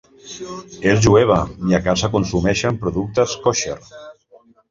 És jueva i a casa consumeixen productes kosher.